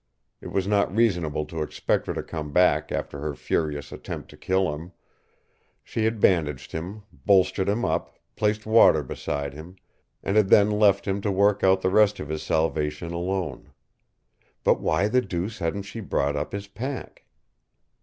It was not reasonable to expect her to come back after her furious attempt to kill him. She had bandaged him, bolstered him up, placed water beside him, and had then left him to work out the rest of his salvation alone. But why the deuce hadn't she brought up his pack?